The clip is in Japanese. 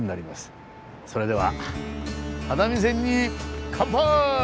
それでは只見線に乾杯！